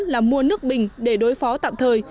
làm mua nước bình để đối phó tạm thời